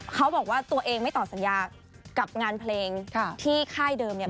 เขาบอกว่าตัวเองไม่ต่อสัญญากับงานเพลงที่ค่ายเดิมเนี่ย